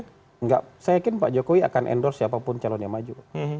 tidak saya yakin pak jokowi akan endorse siapapun calon yang maju